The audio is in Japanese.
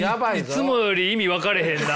いつもより意味分からへんな。